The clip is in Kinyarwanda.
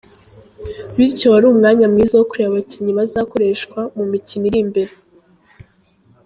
Bityo wari umwanya mwiza wo kureba abakinnyi bazakoreshwa mu mikino iri imbere.